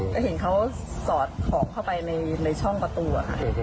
ก็เห็นเขาสอดของเข้าไปในช่องประตู